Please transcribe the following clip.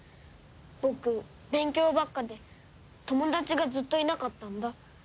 僕勉強ばっかで友達がずっといなかったんだ。